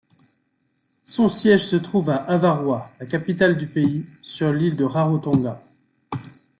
Son siège se trouve à Avarua, la capitale du pays, sur l'île de Rarotonga.